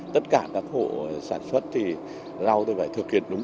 tất cả các hộ sản xuất thì lau tôi phải thực hiện đúng